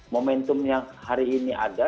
momentum yang hari ini ada